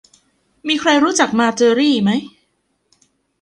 มีใครรู้จักมาเจอรี่ไหม